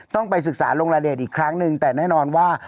ต้องไปศึกษาลงรายละเอียดอีกครั้งหนึ่งแต่แน่นอนว่า